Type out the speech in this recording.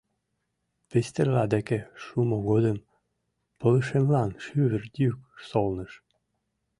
Пистерла деке шумо годым пылышемлан шӱвыр йӱк солныш.